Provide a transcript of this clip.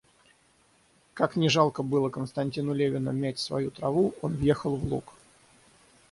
Как ни жалко было Константину Левину мять свою траву, он въехал в луг.